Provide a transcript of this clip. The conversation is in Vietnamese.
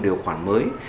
điều khoản mới